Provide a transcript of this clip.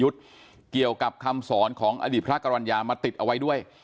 อดีตพระกรรณญามาติดเอาไว้ด้วย